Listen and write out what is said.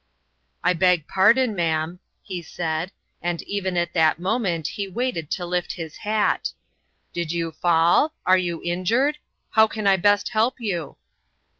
"I beg pardon, ma'am," he said, and even at that moment he waited to lift his hat, "did you fall? Are you injured? How can I best help yon?"